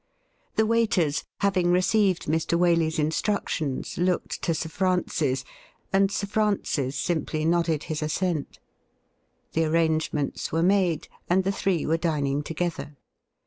The waiters, having received Mr. Waley's instructions, looked to Sir Francis, and Sir Francis simply nodded his assent. The arrangements were made, and the three were dining together.